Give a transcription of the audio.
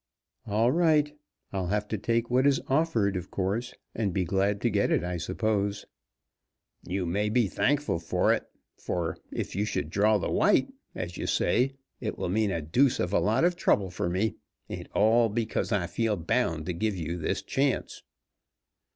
"All right, I'll have to take what is offered, of course, and be glad to get it, I suppose." "You may be thankful for it, for, if you should draw the white, as you say, it will mean a deuce of a lot of trouble for me, and all because I feel bound to give you this chance."